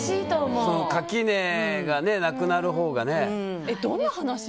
垣根がなくなるほうがね。